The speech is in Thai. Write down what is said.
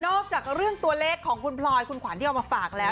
จากเรื่องตัวเลขของคุณพลอยคุณขวัญที่เอามาฝากแล้ว